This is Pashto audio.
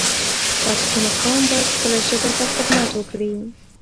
پښتون قوم باید خپله ژبه ته خدمت وکړی